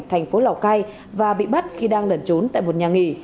thành phố lào cai và bị bắt khi đang lẩn trốn tại một nhà nghỉ